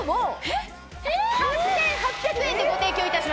８８００円でご提供いたします。